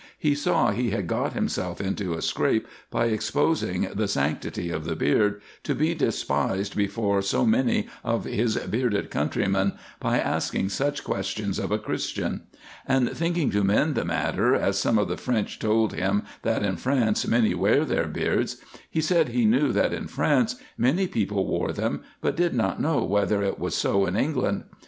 He saw he had got himself into a scrape, by exposing the sanctity of the beard, to be despised before so many of his bearded countrymen, by asking such questions of a Christian ; and thinking to mend the matter, as some of the French told him that in France many wear their beards, he said he knew that in France many people wore them, but did not know whether it was so in England.